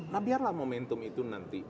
nah biarlah momentum itu nanti